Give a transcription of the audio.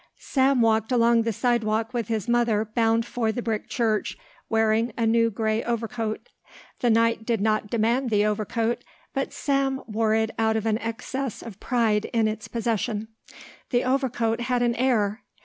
Sam walked along the sidewalk with his mother bound for the brick church, wearing a new grey overcoat. The night did not demand the overcoat but Sam wore it out of an excess of pride in its possession. The overcoat had an air.